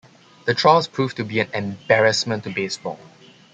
The trials proved to be an embarrassment to baseball.